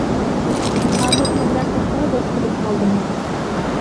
ھازىر ئۇنىڭ بىلەن ئوبدانلا دوست بولۇپ قالدىم.